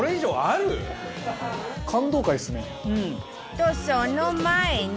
とその前に